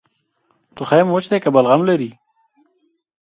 ټوخی مو وچ دی که بلغم لري؟